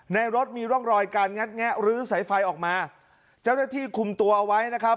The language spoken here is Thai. รถมีร่องรอยการงัดแงะลื้อสายไฟออกมาเจ้าหน้าที่คุมตัวเอาไว้นะครับ